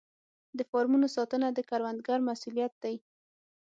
د فارمونو ساتنه د کروندګر مسوولیت دی.